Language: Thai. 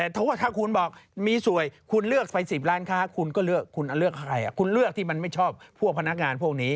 แต่ว่าถ้าคุณบอกมีสวยคุณเลือกไป๑๐ล้านค้าคุณก็เลือกคุณเลือกใครคุณเลือกที่มันไม่ชอบพวกพนักงานพวกนี้